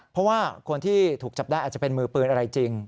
เพราะว่าคนที่ถูกจับได้อาจจะเป็นมือปืนอะไรจริง